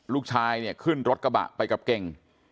ลูกชายเนี่ยขึ้นรถกระบะไปกับเก่ง